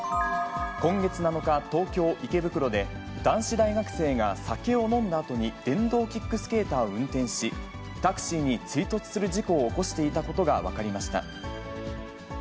今月７日、東京・池袋で、男子大学生が酒を飲んだあとに電動キックスケーターを運転し、タクシーに追突する事故を起こしていたことが分かりました。